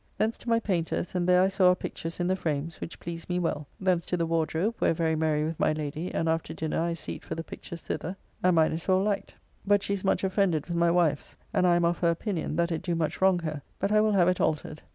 Thence to my painter's, and there I saw our pictures in the frames, which please me well. Thence to the Wardrobe, where very merry with my Lady, and after dinner I seat for the pictures thither, and mine is well liked; but she is much offended with my wife's, and I am of her opinion, that it do much wrong her; but I will have it altered.